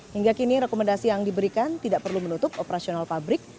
hingga kini rekomendasi yang diberikan tidak perlu menutup operasional pabrik